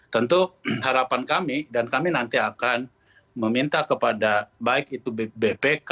tentu harapan kami dan kami nanti akan meminta kepada baik itu bpk